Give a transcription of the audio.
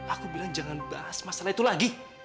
aku bilang jangan bahas masalah itu lagi